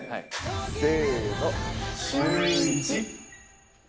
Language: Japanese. せーの、シューイチ。